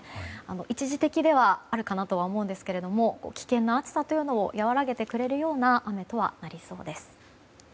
一時的ではあるかなと思うんですが危険な暑さというのを和らげてくれそうな雨となりそうです。